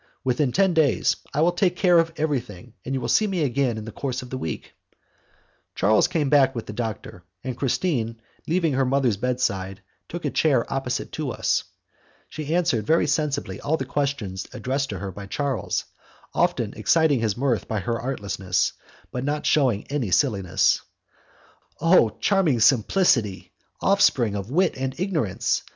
"Within ten days. I will take care of everything, and you will see me again in the course of the week." Charles came back with the doctor, and Christine, leaving her mother's bedside, took a chair opposite to us. She answered very sensibly all the questions addressed to her by Charles, often exciting his mirth by her artlessness, but not shewing any silliness. Oh! charming simplicity! offspring of wit and of ignorance!